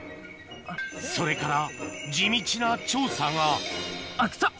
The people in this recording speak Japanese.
それから地道な調査があっ臭っ！